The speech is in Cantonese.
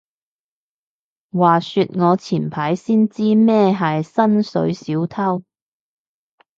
話說我前排先知咩係薪水小偷